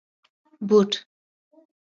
👞 بوټ